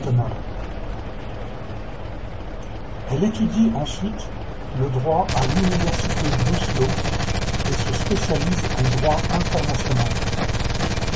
Elle étudie ensuite le droit à l’université d’Oslo et se spécialise en droit international.